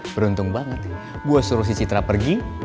beruntung banget ya gue suruh si citra pergi